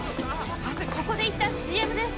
ここでいったんＣＭです。